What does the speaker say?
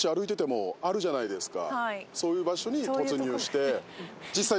そういう場所に突入して。